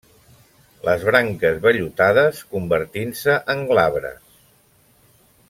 Les branques vellutades, convertint-se en glabres.